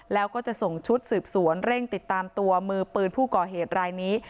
แล้วก็จะส่งชุดสืบสวนเร่งติดตามตัวมือปืนผู้ก่อเหตุรายนี้